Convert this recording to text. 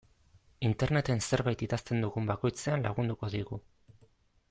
Interneten zerbait idazten dugun bakoitzean lagunduko digu.